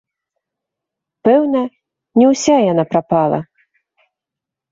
Пэўна, не ўся яна прапала.